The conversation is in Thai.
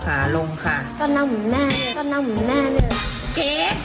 สบัดข่าวเด็ก